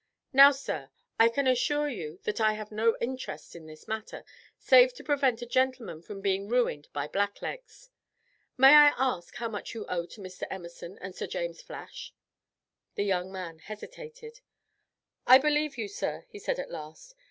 Now, sir, I can assure you that I have no interest in this matter, save to prevent a gentleman from being ruined by blacklegs. May I ask how much you owe to Mr. Emerson and Sir James Flash?" The young man hesitated. "I believe you, sir," he said at last.